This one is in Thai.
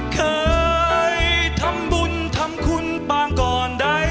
เคยทำบุญทำคุณปางก่อนใด